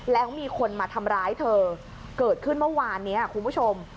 แล้วมีคนมาทำร้ายเธอเกิดขึ้นเมื่อวานนี้คุณผู้ชม